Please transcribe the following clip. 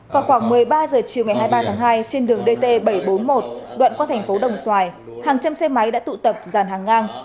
vào khoảng một mươi ba h chiều ngày hai mươi ba tháng hai trên đường dt bảy trăm bốn mươi một đoạn qua thành phố đồng xoài hàng trăm xe máy đã tụ tập giàn hàng ngang